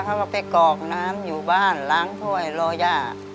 เขาก็ไปกรอกน้ำอยู่บ้านล้างถ้วยรอย่า